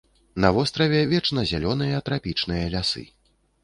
На востраве вечназялёныя трапічныя лясы.